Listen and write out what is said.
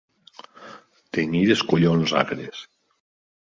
Tenir els collons agres.